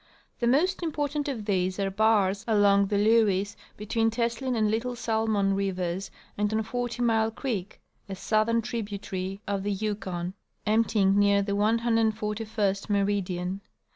The most im portant of these are bars along the Lewes between Teslin and Little Salmon rivers and on Forty mile creek, a southern tribu tary of the Yukon emptying near the 141st meridian.